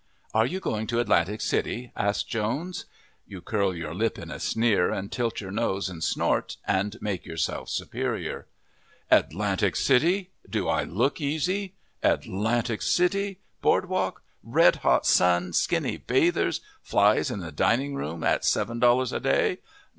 "Are you going to Atlantic City?" asks Jones. You curl your lip in a sneer and tilt your nose and snort, and make yourself superior. "Atlantic City! Do I look easy? Atlantic City, boardwalk, red hot sun, skinny bathers, flies in the dining room, at $7 a day?